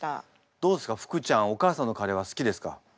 どうですか福ちゃんお母さんのカレーは好きですか？